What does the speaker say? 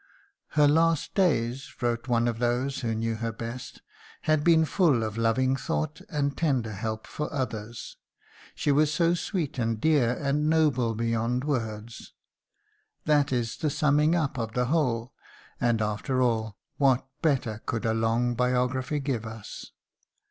Her "last days," wrote one of those who knew her best, "had been full of loving thought and tender help for others. She was so sweet and dear and noble beyond words." That is the summing up of the whole; and, after all, what better could a long biography give us?